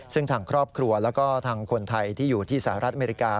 ซึ่งทางครอบครัวแล้วก็ทางคนไทยที่อยู่ที่สหรัฐอเมริกา